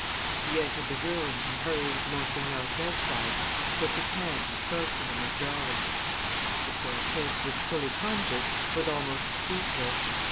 He entered the room, and hurrying to Monseigneur's bedside, took his hand and spoke to him of God. The poor prince was fully conscious, but almost speechless.